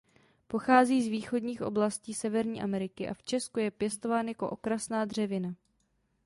Pochází z východních oblastí Severní Ameriky a v Česku je pěstován jako okrasná dřevina.